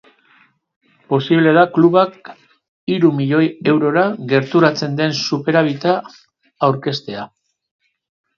Posible da klubak hiru milioi eurora gerturatzen den superabita aurkeztea.